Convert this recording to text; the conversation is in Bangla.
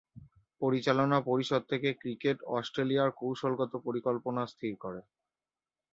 পরিচালনা পরিষদ থেকে ক্রিকেট অস্ট্রেলিয়ার কৌশলগত পরিকল্পনার স্থির করে।